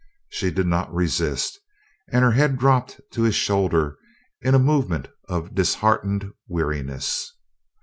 She did not resist, and her head dropped to his shoulder in a movement of disheartened weariness.